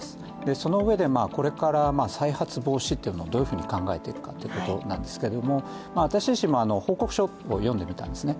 そのうえで、これから再発防止をどういうふうに考えていくかということですが、私自身、報告書を読んでみたんですね。